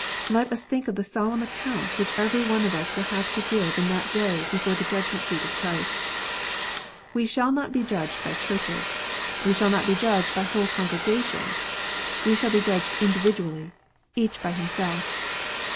Let us think of the solemn account which every one of us will have to give in that day before the judgment seat of Christ. We shall not be judged 54 KNOTS UNTIED. by Churches. We shall not be judged by whole congregations. We shall be judged individually, each by himself.